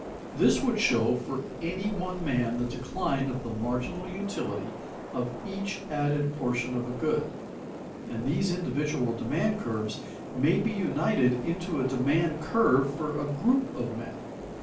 _ This would show for any one man the decline of the marginal utility of each added portion of a good, and these individual demand curves may be united into a demand curve for a group of men.